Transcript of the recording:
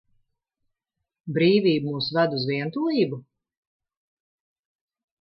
Brīvība mūs ved uz vientulību?